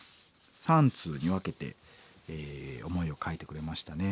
３通に分けて思いを書いてくれましたね。